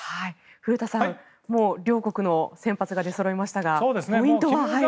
古田さん、もう両国の先発が出そろいましたがポイントは？